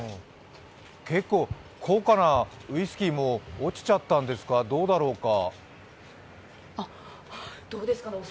結構高価なウイスキーも落ちちゃったんですか、どうだろうか？